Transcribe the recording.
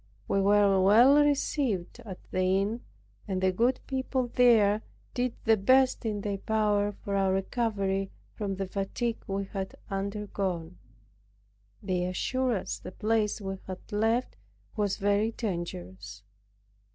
We were well received at the inn; and the good people there did the best in their power for our recovery from the fatigue we had undergone. They assured us the place we had left was very dangerous.